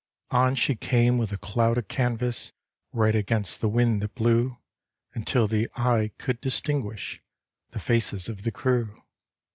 On she came with a cloud of canvas, Right against the wind that blew, Until the eye could distinguish The faces of the crew.